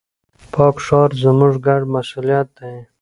پاک ښار، زموږ ګډ مسؤليت دی.